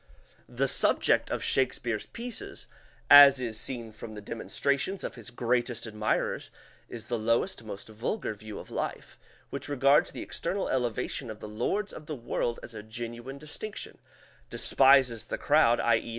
The subject of Shakespeare's pieces, as is seen from the demonstrations of his greatest admirers, is the lowest, most vulgar view of life, which regards the external elevation of the lords of the world as a genuine distinction, despises the crowd, _i.e.